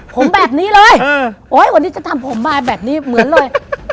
ผมแบบนี้เลยโอ๊ยวันนี้ฉันทำผมมาแบบนี้เหมือนเลย